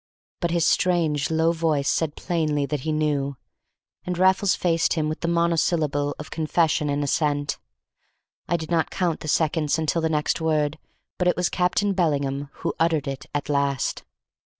But his strange, low voice said plainly that he knew, and Raffles faced him with the monosyllable of confession and assent. I did not count the seconds until the next word, but it was Captain Bellingham who uttered it at last.